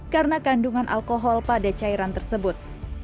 karena kandungan alkohol pada cairan tersebut